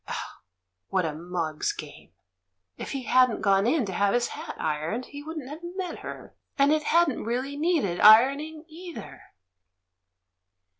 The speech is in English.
Oh, what a mug's game! If he hadn't gone in to have his hat ironed, he wouldn't have met her. And it hadn't really needed ironing either